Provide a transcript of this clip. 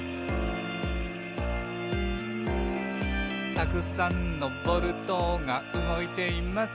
「たくさんのボルトがうごいています」